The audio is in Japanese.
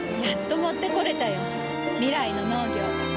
やっと持ってこれたよ。未来の農業。